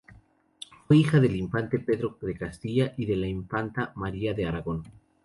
Fue hija del infante Pedro de Castilla y de la infanta María de Aragón.